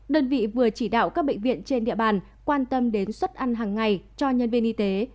đơn vị vừa chỉ đạo các bệnh viện trên địa bàn quan tâm đến suất ăn hàng ngày cho nhân viên y tế